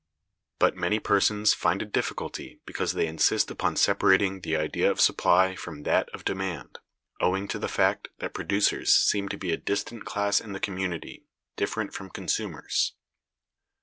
But many persons find a difficulty because they insist upon separating the idea of supply from that of demand, owing to the fact that producers seem to be a distinct class in the community, different from consumers.